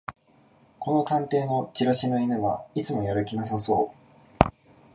この探偵のチラシの犬はいつもやる気なさそう